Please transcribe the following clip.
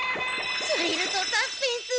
スリルとサスペンス！